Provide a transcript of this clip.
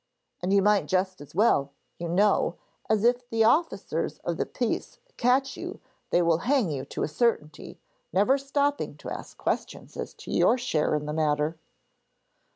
And you might just as well, you know, as if the officers of the peace catch you they will hang you to a certainty, never stopping to ask questions as to your share in the matter.'